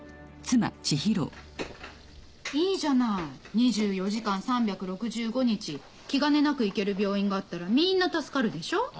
いいじゃない２４時間３６５日気兼ねなく行ける病院があったらみんな助かるでしょ？